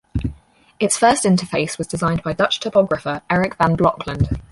Its first interface was designed by Dutch typographer Erik van Blokland.